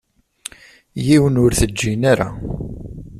Yiwen ur t-ǧǧin ara.